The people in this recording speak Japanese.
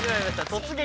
「突撃！